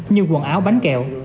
như quần áo bánh kẹo